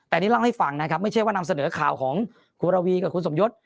แต่นี่เล่าให้ฟังนะครับไม่ใช่ว่านำเสนอข่าวของคุณระวีกับคุณสมยศ